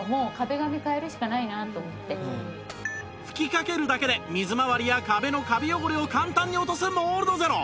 吹きかけるだけで水回りや壁のカビ汚れを簡単に落とすモールドゼロ